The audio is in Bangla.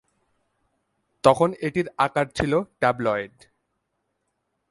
তখন এটির আকার ছিল ট্যাবলয়েড।